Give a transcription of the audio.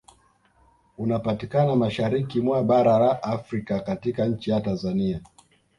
Unapatikana mashariki mwa bara la Afrika katika nchi ya Tanzania